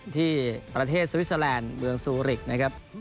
ที่ประเทศสวิสเตอร์แลนด์เมืองซูริกนะครับ